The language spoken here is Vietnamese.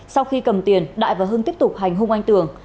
sau khi cầm tiền đại và hưng tiếp tục hành hung anh tường